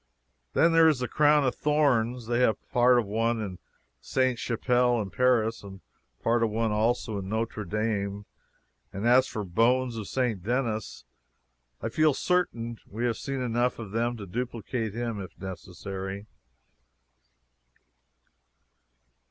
Then there is the crown of thorns; they have part of one in Sainte Chapelle, in Paris, and part of one also in Notre Dame. And as for bones of St. Denis, I feel certain we have seen enough of them to duplicate him if necessary.